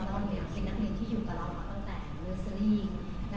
พรุ่งนี้เราดูแลเช็คเต้นและมีการแบ่งพื้นที่ต่อสู่เธอ